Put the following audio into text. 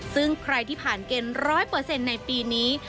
ซึ่งใครที่ผ่านเกณฑ์๑๐๐ในปีนี้